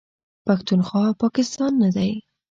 پښتونخوا، پاکستان نه دی.